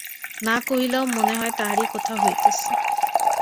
না কহিলেও মনে হয় তাহারই কথা হইতেছে।